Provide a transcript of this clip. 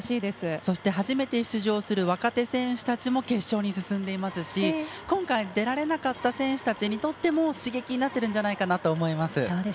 そして初めて出場する若手選手たちも決勝に進んでいますし今回、出られなかった選手にとっても刺激になってるんじゃないかなと思います。